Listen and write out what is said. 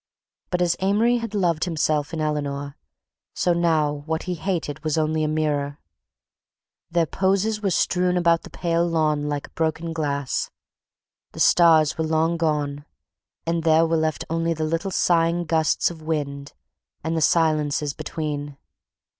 But as Amory had loved himself in Eleanor, so now what he hated was only a mirror. Their poses were strewn about the pale dawn like broken glass. The stars were long gone and there were left only the little sighing gusts of wind and the silences between...